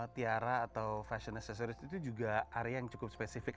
tiara atau fashion accessories itu juga area yang cukup spesifik